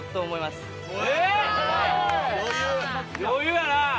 余裕やな。